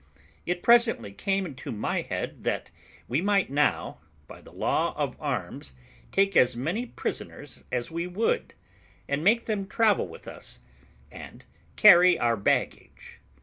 It presently came into my head, that we might now, by the law of arms, take as many prisoners as we would, and make them travel with us, and carry our baggage.